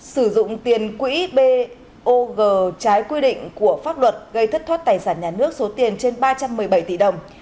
sử dụng tiền quỹ bog trái quy định của pháp luật gây thất thoát tài sản nhà nước số tiền trên ba trăm một mươi bảy tỷ đồng